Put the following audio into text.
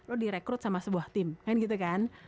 lo berbakat nih lo direkrut sama sebuah tim kan gitu kan